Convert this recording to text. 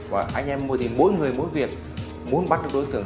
và anh em thì mỗi người mỗi việc muốn bắt được đối tượng